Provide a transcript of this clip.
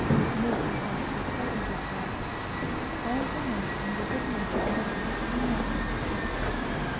This we thought would be pleasanter for us, as the mate was a good natured man and not very strict.